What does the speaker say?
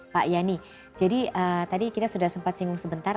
pak yani jadi tadi kita sudah sempat singgung sebentar